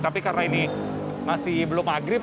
tapi karena ini masih belum maghrib